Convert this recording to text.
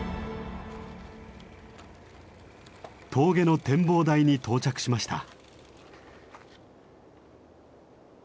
峠の展望台に到着しました。